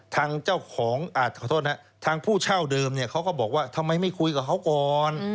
ทางผู้เช่าเดิมเขาก็บอกว่าทำไมไม่คุยกับเขาก่อน